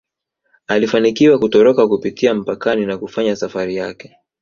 Alifanikiwa kutoroka kupitia mpakani na kufanya safari yake